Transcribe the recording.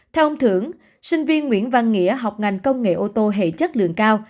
theo ông thưởng sinh viên nguyễn văn nghĩa học ngành công nghệ ô tô hệ chất lượng cao